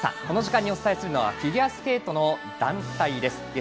この時間にお伝えするのはフィギュアスケートの団体です。